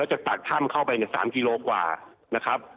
แล้วจะตัดถ้ำเข้าไปเนี่ย๓กิโลกว่านะครับ